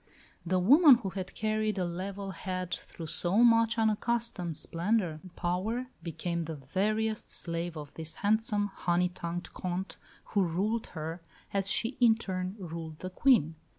The woman who had carried a level head through so much unaccustomed splendour and power became the veriest slave of this handsome, honey tongued Comte, who ruled her, as she in turn ruled the Queen.